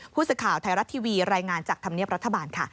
ผู้สื่อข่าวไทยรัฐทีวีรายงานจากธรรมเนียบรัฐบาลค่ะ